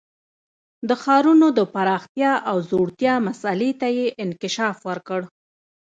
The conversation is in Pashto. د ښارونو د پراختیا او ځوړتیا مسئلې ته یې انکشاف ورکړ